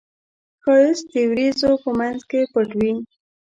ښایست د وریځو په منځ کې پټ وي